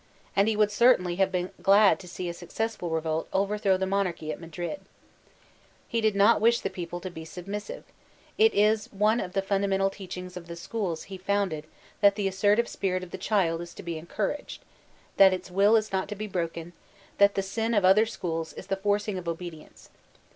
And he would certainly have been glad to see a successful revolt overthrow the monarchy at Madrid. He did not wish the people to be submissive ; it is one of the fundamental teachings of the schools he founded that the assertive spirit of the child b to be en oouraged ; that its will is not to be broken ; that the sin of other schoob b the forcing of obedience.